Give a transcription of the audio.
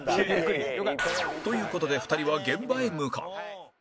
という事で２人は現場へ向かう